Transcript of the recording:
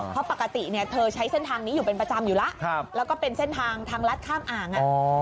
เพราะปกติเธอใช้เส้นทางนี้อยู่เป็นประจำอยู่แล้วแล้วก็เป็นเส้นทางทางลัดข้ามอ่าง